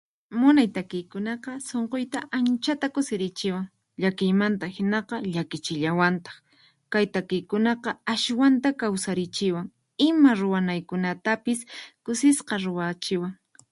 Munay takiykunaqa sunquyta anchata kusirichiwan, llakiymanta hinaqa llakichillawantaq, kay takiykunaqa aswanta kawsarichiwan, ima ruwanaykunatapis kusisqa ruwachiwan.